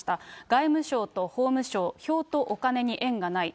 外務省と法務省、票とお金に縁がない。